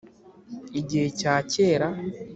Igihe cya kera